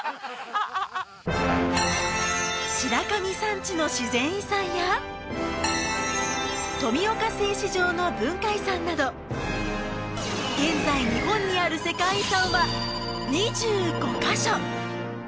白神山地の自然遺産や富岡製糸場の文化遺産など現在日本にある世界遺産は２５か所